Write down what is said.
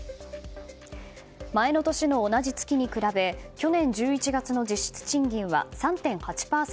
前の年の同じ月に比べ去年１１月の実質賃金は３．８％